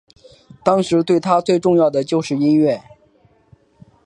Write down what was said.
当时对他最重要的就是音乐。